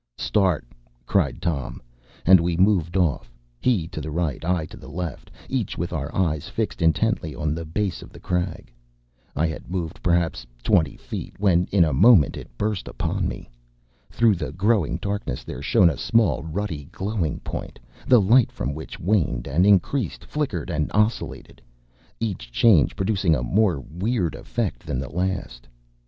“Start!” cried Tom; and we moved off, he to the right, I to the left, each with our eyes fixed intently on the base of the crag. I had moved perhaps twenty feet, when in a moment it burst upon me. Through the growing darkness there shone a small, ruddy, glowing point, the light from which waned and increased, flickered and oscillated, each change producing a more weird effect than the last.